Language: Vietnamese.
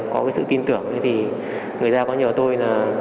có sự tin tưởng người ra có nhờ tôi